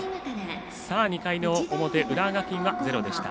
２回の表、浦和学院はゼロでした。